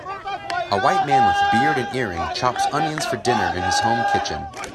A white man with beard and earring chops onions for dinner in his home kitchen.